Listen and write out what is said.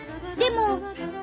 でも。